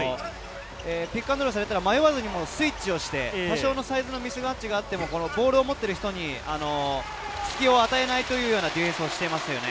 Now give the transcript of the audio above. ピックアンドロールをされたら、迷わずスイッチをして、多少のサイズのミスマッチがあっても、ボールを持っている人に隙を与えないというようなディフェンスをしています。